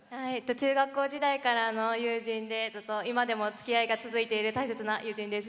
中学校時代からの友人でずっと今でもつきあいが続いている大切な友人です。